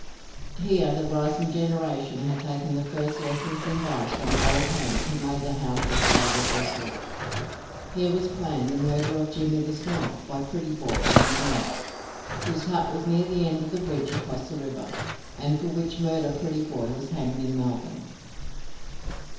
Here the rising generation had taken their first lessons in vice from the old hands who made the house their favourite resort. Here was planned the murder of Jimmy the Snob by Prettyboy and his mates, whose hut was near the end of the bridge across the river, and for which murder Prettyboy was hanged in Melbourne.